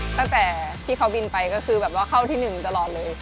ตั้งแต่ที่เขาบินไปก็คือเข้าที่หนึ่งตลอดเลย